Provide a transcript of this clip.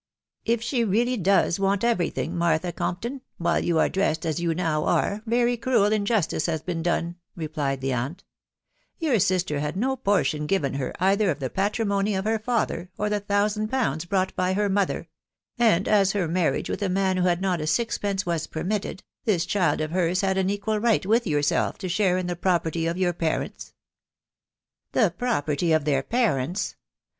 " If she really does want every thing, Martha Compton, while you are dressed as you now are, very cruel injustice has been done her," replied the aunt " Your sister had no por tion given her, either of the patrimony of her father, or the thousand pounds brought by her mother; and as her marriage with a man who had not a sixpence was permitted, this child of hers has an equal right with yourself to share in the pro perty of your parents." " The property of their parents